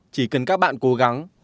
chỉ cần các bạn cố gắng